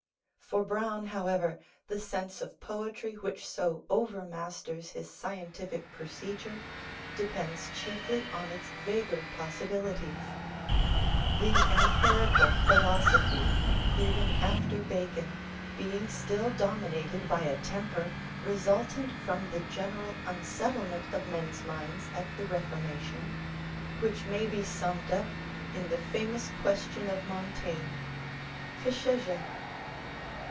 For Browne, however, the sense of poetry which so overmasters his scientific procedure, depends chiefly on its vaguer possibilities; the empirical philosophy, even after Bacon, being still dominated by a temper, resultant from the general unsettlement of men's minds at the Reformation, which may be summed up in the famous question of Montaigne Que sçais je?